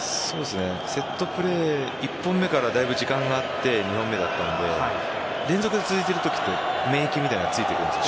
セットプレー１本目からだいぶ時間があって２本目があったので連続で続いているときは免疫みたいなのがついてくるんです。